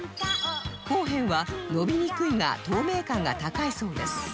交編は伸びにくいが透明感が高いそうです